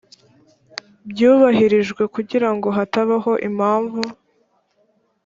byubahirijwe kugira ngo hatabaho impamvu